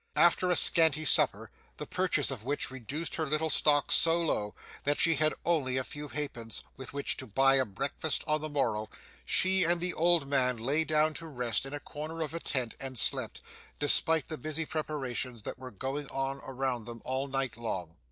After a scanty supper, the purchase of which reduced her little stock so low, that she had only a few halfpence with which to buy a breakfast on the morrow, she and the old man lay down to rest in a corner of a tent, and slept, despite the busy preparations that were going on around them all night long.